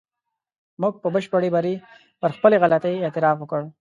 موږ په بشپړ بري پر خپلې غلطۍ اعتراف وکړ.